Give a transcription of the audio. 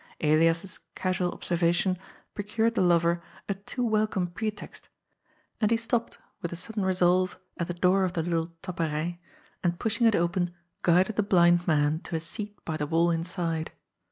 Elias's casual observation procured the lover a too welcome pretext, and he stopped, with a sudden resolve, at the door of the little " Tappery," and, pushing it open, guided the blind man to a seat by the wall inside.